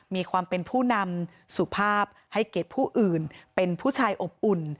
มีความเป็นผู้นำสุภาพให้เกียรติผู้อื่นเป็นผู้ชายอบอุ่น